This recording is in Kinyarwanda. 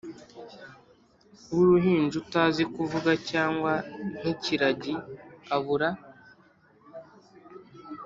wuruhinja utazi kuvuga cyangwa nkikiragi abura